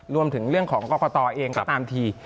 รวมถึงเรื่องของกรกตเองก็ตามที